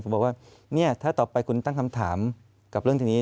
ผมบอกว่าเนี่ยถ้าต่อไปคุณตั้งคำถามกับเรื่องทีนี้